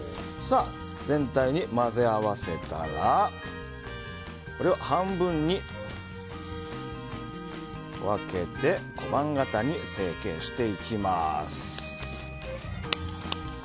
全体に混ぜ合わせたらこれを半分に分けて小判形に成形していきます。